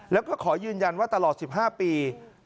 แล้วก็ขอยืนยันว่าตลอด๑๕ปี